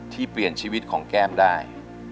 เปลี่ยนชีวิตของแก้มได้